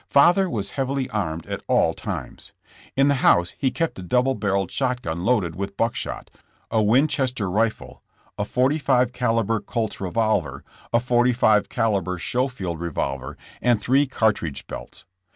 Father was heavily armed at all times. In the house he kept a double barreled shot gun loaded with buck shot, a Winchester rifle, a 45 calibre Colt's revolver, a 45 calibre Schofield revolver, and three cartridge belts.